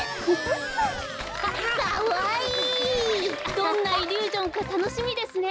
どんなイリュージョンかたのしみですね。